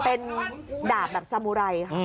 เป็นดาบแบบสมูไร